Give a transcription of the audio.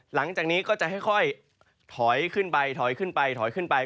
หลังจากนี้ก็จะค่อยถอยขึ้นไปถอยขึ้นไปถอยขึ้นไป